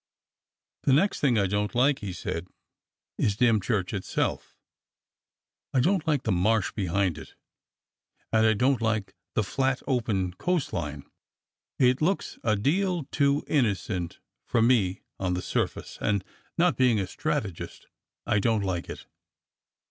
"The next thing I don't like," he went on, "is Dym church itself. I don't like the Marsh behind it, and I don't like the flat, open coastline ; it looks a deal too in 86 DOCTOR SYN nocent for me on the surface, and, not being a strategist, I don't like it."